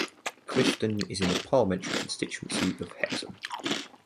Clifton is in the parliamentary constituency of Hexham.